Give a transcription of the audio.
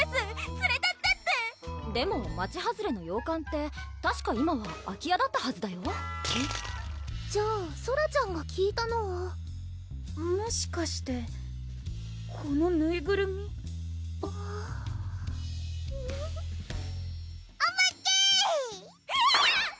「つれてって」ってでも街外れの洋館ってたしか今は空き家だったはずだよじゃあソラちゃんが聞いたのはもしかしてこのぬいぐるみおばけぇ！ひいっ！